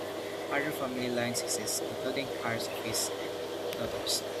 Other family lines exist, including heirs of his daughters.